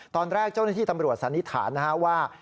ตอนแรกเจ้าหน้าที่ตำรวจสันนิษฐานว่า